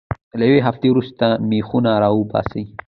له یوې هفتې وروسته میخونه را وباسئ.